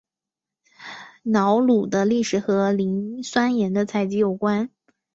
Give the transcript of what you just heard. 瑙鲁的历史和磷酸盐的采集有关。